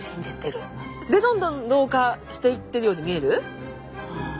でどんどん老化していってるように見える？